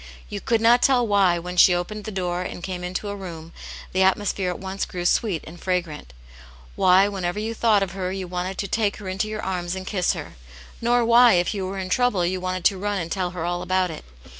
You could not tell why, when she opened the door and came into a room the atmosphere at once grew sweet and fragrant ; why, whenever you thought of her, you wanted to take her into your arms and kiss her ; nor why, if you were in trouble, you wanted to run and tell her all about it.